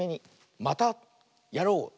「またやろう！」。